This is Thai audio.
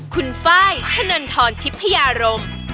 คุณไฟล์ธนันทรทิพยารม